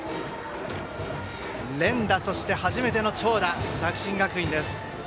連打、そして初めての長打作新学院です。